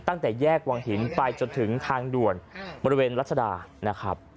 ตั้งแต่แยกวังหินไปจนถึงทางด่วนบริเวณรัชดานะครับ